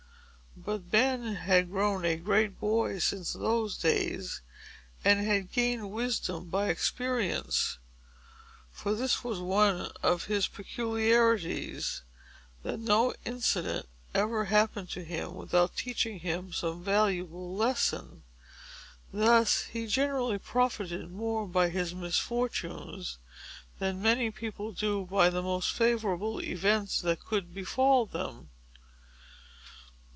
But Ben had grown a great boy since those days, and had gained wisdom by experience; for it was one of his peculiarities, that no incident ever happened to him without teaching him some valuable lesson. Thus he generally profited more by his misfortunes, than many people do by the most favorable events that could befall them.